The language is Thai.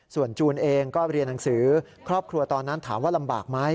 ส่วนจูนเองก็เรียนหนังสือครอบครัวตอนนั้นถามว่าลำบากไหม